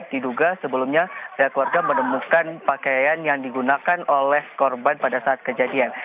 diduga sebelumnya pihak keluarga menemukan pakaian yang digunakan oleh korban pada saat kejadian